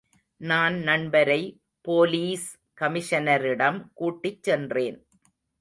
நான் நண்பரை போலீஸ் கமிஷனரிடம் கூட்டிச் சென்றேன்.